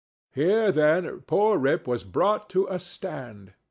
Here, then, poor Rip was brought to a stand.